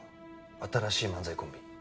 新しい漫才コンビ。